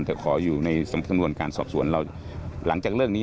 แต่ขออยู่ในสำนวนการสอบสวนเราหลังจากเรื่องนี้